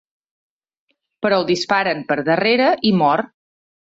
Però el disparen per darrere i mor.